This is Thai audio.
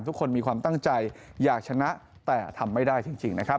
ทุกคนมีความตั้งใจอยากชนะแต่ทำไม่ได้จริงนะครับ